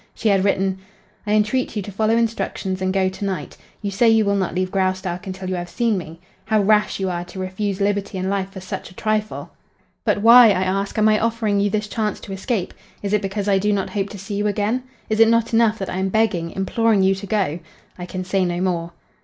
She had written: "I entreat you to follow instructions and go to night. You say you will not leave Graustark until you have seen me. How rash you are to refuse liberty and life for such a trifle. But why, I ask, am I offering you this chance to escape? Is it because I do not hope to see you again? Is it not enough that I am begging, imploring you to go? I can say no more."